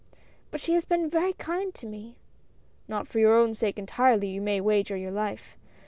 "But she has been very kind to me." "Not for your own sake entirely, you may wager your life.